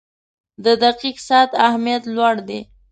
• د دقیق ساعت اهمیت لوړ دی.